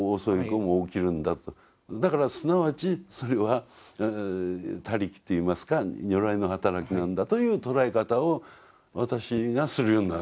だからすなわちそれは他力と言いますか如来の働きなんだという捉え方を私がするようになるわけですよ。